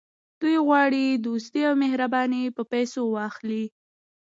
دوی غواړي دوستي او مهرباني په پیسو واخلي.